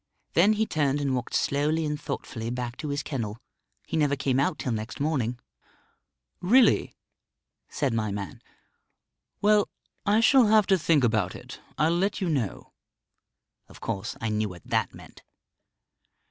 Then he turned and walked slowly and thoughtfully back to his kennel. He never came out till next morning." "Really?" said my man. "Well, I shall have to think about it. I'll let you know." Of course, I knew what that meant.